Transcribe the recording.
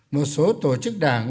một số tổ chức đảng